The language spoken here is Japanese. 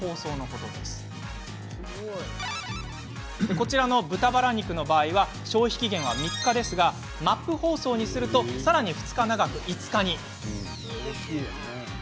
こちらの豚バラ肉の場合消費期限は３日ですがＭＡＰ包装にするとさらに２日長く、５日に。